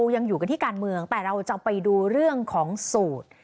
ยังอยู่กันที่การเมืองแต่เราจะไปดูเรื่องของสูตร